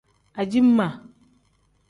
Aciima.